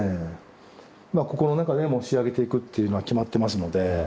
ここの中でもう仕上げていくというのは決まってますので。